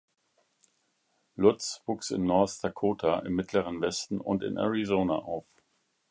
Lutz wuchs in North Dakota, im Mittleren Westen und in Arizona auf.